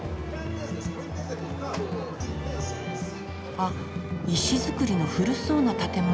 あっ石造りの古そうな建物。